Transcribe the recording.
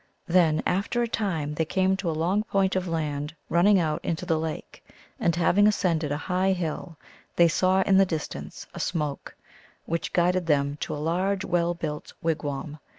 Then after a time they came to a long point of land running out into the lake, and, having ascended a high hill, they saw in the distance a smoke, which guided them to a large, well built wigwam.